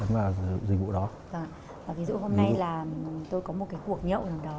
ví dụ hôm nay là tôi có một cái cuộc nhậu nào đó và lại lái xe đi